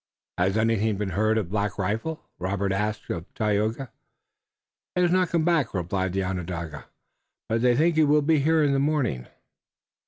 "Has anything been heard of Black Rifle?" Robert asked of Tayoga. "He has not come back," replied the Onondaga, "but they think he will be here in the morning."